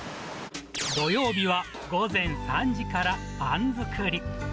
土曜日は午前３時からパン作り。